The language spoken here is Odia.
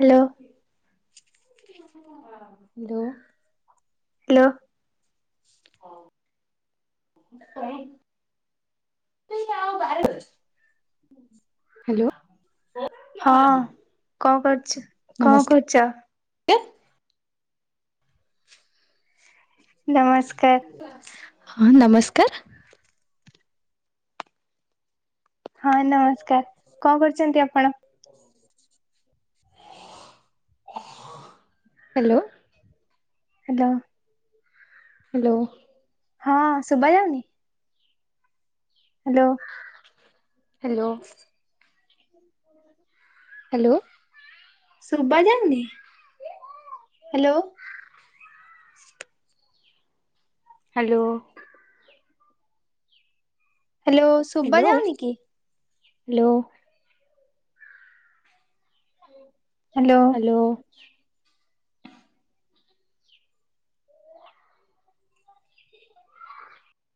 ହ୍ୟାଲୋ ହ୍ୟାଲୋ ହଇ [unintelligible] ହ୍ୟାଲୋ ହଁ କଣ କରୁଛ କଣ ନମସ୍କାର। କରୁଛ? ନମସ୍କାର ହଁ ନମସ୍କାର ହଁ ନମସ୍କାର କଣ କରୁଛନ୍ତି ଆପଣ? [inaudible] ହ୍ୟାଲୋ ହ୍ୟାଲୋ ହ୍ୟାଲୋ ହଁ ଶୁବା ଯାଉନି ହ୍ୟାଲୋ ହ୍ୟାଲୋ [inaudible] ହ୍ୟାଲୋ ସୁବା ଯାଉନି [inaudible] ହ୍ୟାଲୋ ହ୍ୟାଲୋ ହ୍ୟାଲୋ ଶୁଭା ହ୍ୟାଲୋ ଯାଉନି କି [inaudible] ହ୍ୟାଲୋ ହ୍ୟାଲୋ